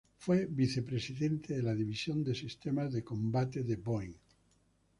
Fue vicepresidente de la división de Sistemas de Combate de Boeing.